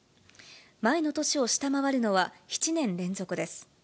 前の年を下回るのは７年連続です。